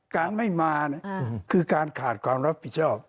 การไม่มาคือการขาดความรับผิดชอบ